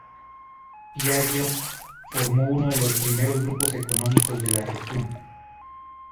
Piaggio formó uno de los primeros grupos económicos de la región.